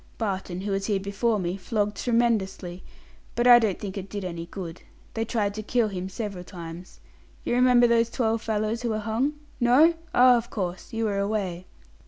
Barton, who was here before me, flogged tremendously, but I don't think it did any good. They tried to kill him several times. You remember those twelve fellows who were hung? No! Ah, of course, you were away."